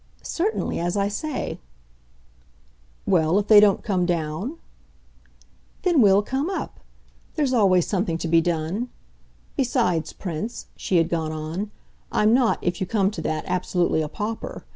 "Certainly as I say." "Well, if they don't come down ?" "Then we'll come up. There's always something to be done. Besides, Prince," she had gone on, "I'm not, if you come to that, absolutely a pauper.